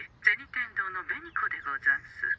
天堂の紅子でござんす。